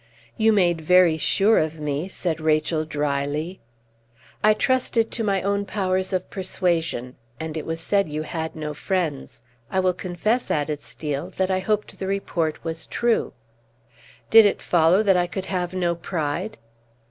"You made very sure of me!" said Rachel, dryly. "I trusted to my own powers of persuasion, and it was said you had no friends. I will confess," added Steel, "that I hoped the report was true." "Did it follow that I could have no pride?"